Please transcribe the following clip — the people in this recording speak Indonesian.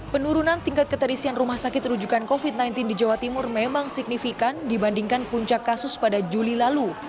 penurunan tingkat keterisian rumah sakit rujukan covid sembilan belas di jawa timur memang signifikan dibandingkan puncak kasus pada juli lalu